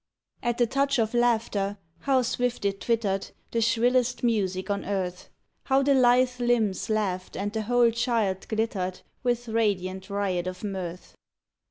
At the touch of laughter, how swift it twittered The shrillest music on earth; How the lithe limbs laughed and the whole child glittered With radiant riot of mirth!